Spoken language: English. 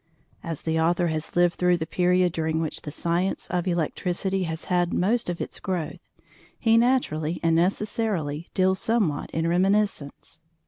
As the author has lived through the period during which the science of Electricity has had most of its growth, he naturally and necessarily deals somewhat in reminiscence.